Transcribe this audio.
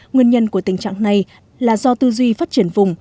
nguyên nhân của tình trạng này là do tư duy phát triển vùng